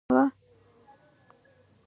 ننګ صېب پښتو کښې َد خپلې شاعرۍ نه علاوه